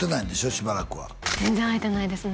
しばらくは全然会えてないですね